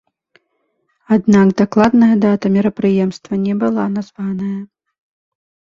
Аднак дакладная дата мерапрыемства не была названая.